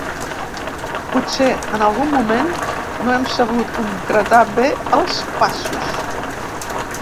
Potser, en algun moment, no hem sabut concretar bé els passos.